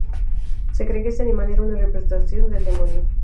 Se cree que este animal era una representación del demonio.